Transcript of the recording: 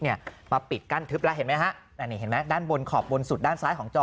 เนี่ยมาปิดกั้นทึบแล้วเห็นไหมฮะอันนี้เห็นไหมด้านบนขอบบนสุดด้านซ้ายของจอ